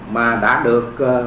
mà đã được